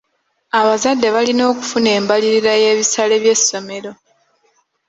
Abazadde balina okufuna embalirira y'ebisale by'essomero.